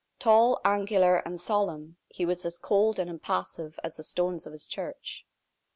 Tall, angular, and solemn, he was as cold and impassive as the stones of his church.